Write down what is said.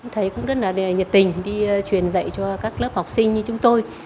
thầy cũng rất là nhiệt tình đi truyền dạy cho các lớp học sinh như chúng tôi